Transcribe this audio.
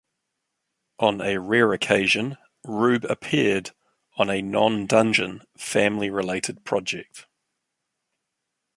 On a rare occasion, Rube appeared on a non-Dungeon Family related project.